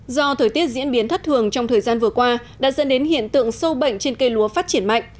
do thời tiết diễn biến thất thường trong thời gian vừa qua đã dẫn đến hiện tượng sâu bệnh trên cây lúa phát triển mạnh